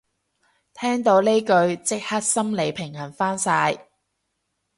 聽到呢句即刻心理平衡返晒